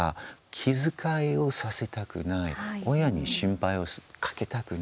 気遣いをさせたくない親に心配をかけたくない。